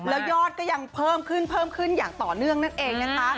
แล้วยอดก็ยังเพิ่มขึ้นอยากต่อเนื่องนั่นเอง